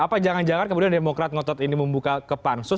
apa jangan jangan kemudian demokrat ngotot ini membuka ke pansus